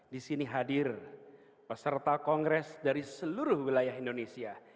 di sini hadir peserta kongres dari seluruh wilayah indonesia